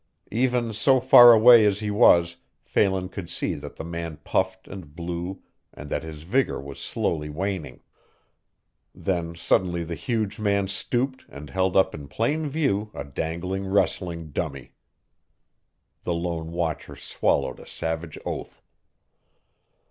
Even so far away as he was Phelan could see that the man puffed and blew and that his vigor was slowly waning. Then suddenly the huge man stooped and held up in plain view a dangling wrestling dummy. The lone watcher swallowed a savage oath.